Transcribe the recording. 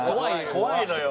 怖いのよ。